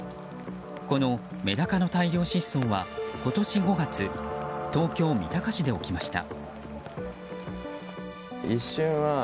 このメダカの大量失踪は今年５月東京・三鷹市で起きました。